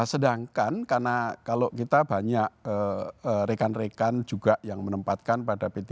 sedangkan karena kalau kita banyak rekan rekan juga yang menempatkan pada p tiga